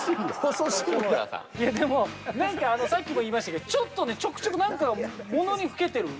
でも何かさっきも言いましたけどちょっとちょくちょく何かものにふけってる。